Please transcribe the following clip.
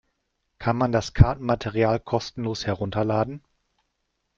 Kann man das Kartenmaterial kostenlos herunterladen?